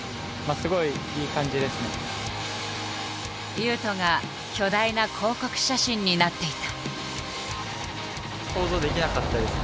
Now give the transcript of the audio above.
雄斗が巨大な広告写真になっていた。